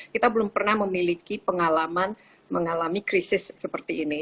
kita belum pernah memiliki pengalaman mengalami krisis seperti ini